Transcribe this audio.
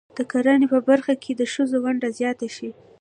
د کرنې په برخه کې د ښځو ونډه زیاته شي.